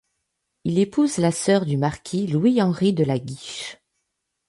Il épouse la sœur du marquis Louis-Henri de La Guiche.